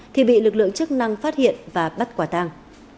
thì bị lực lượng chức năng phát hiện và bắt quả tàng